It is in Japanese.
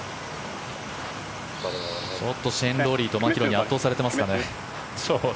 ちょっとシェーン・ロウリーとマキロイに圧倒されてますかね。